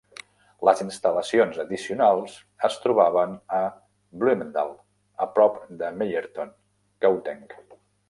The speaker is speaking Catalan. Les instal·lacions addicionals es trobaven a Bloemendal, a prop de Meyerton, Gauteng.